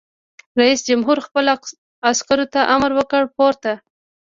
رئیس جمهور خپلو عسکرو ته امر وکړ؛ پورته!